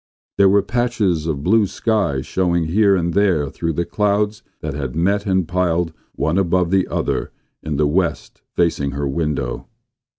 There were patches of blue sky showing here and there through the clouds that had met and piled one above the other in the west facing her window.